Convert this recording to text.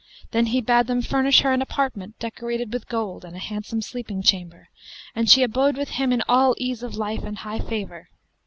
Then he bade them furnish her an apartment decorated with gold and a handsome sleeping chamber, and she abode with him in all ease of life and high favour.